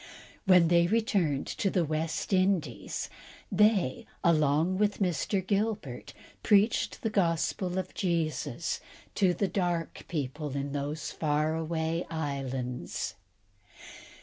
When they returned to the West Indies, they, along with Mr. Gilbert, preached the gospel of Jesus Christ to the dark people in those far away islands.